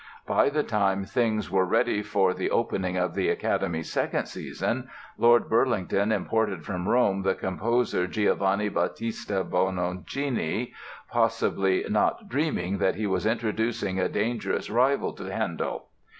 By the time things were ready for the opening of the Academy's second season Lord Burlington imported from Rome the composer Giovanni Battista Bononcini, possibly not dreaming that he was introducing a dangerous rival to Handel.